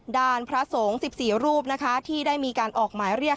ด้านพระสงฆ์๑๔รูปนะคะที่ได้มีการออกหมายเรียก